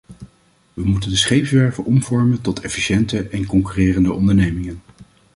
We moeten de scheepswerven omvormen tot efficiënte en concurrerende ondernemingen.